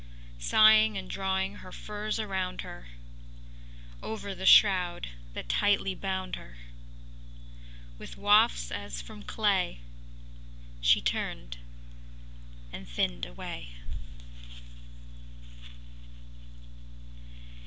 ” Sighing and drawing her furs around her Over the shroud that tightly bound her, With wafts as from clay She turned and thinned away.